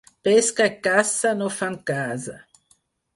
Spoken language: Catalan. Pesca i caça no fan casa.